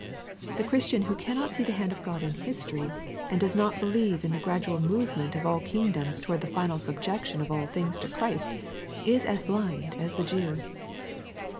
The Christian who cannot see the hand of God in history, and does not believe in the gradual movement of all kingdoms towards the final subjection of all things to Christ, is as blind as the Jew.